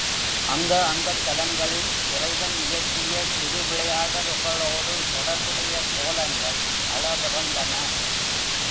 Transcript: அந்த அந்தத் தலங்களின் இறைவன் இயற்றிய திருவிளையாடல்களோடு தொடர்புடைய கோலங்கள் அளவிறந்தன.